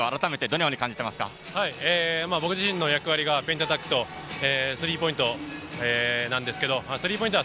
僕自身の役割がペイントアタックとスリーポイントなんですけど、スリーポイント